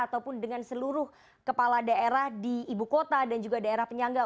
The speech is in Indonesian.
ataupun dengan seluruh kepala daerah di ibu kota dan juga daerah penyangga